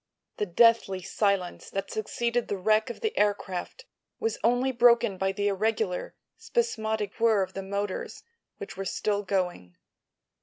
The deathly silence that succeeded the wreck of the aircraft was only broken by the irregular, spasmodic whirr of the motors, which were still going.